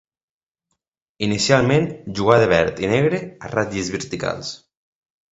Inicialment jugà de verd i negre a ratlles verticals.